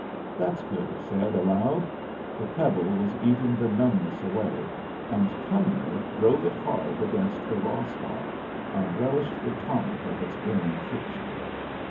"That's good," he said, aloud. The pebble was eating the numbness away, and Cumnor drove it hard against the raw spot, and relished the tonic of its burning friction.